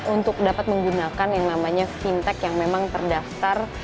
untuk dapat menggunakan yang namanya fintech yang memang terdaftar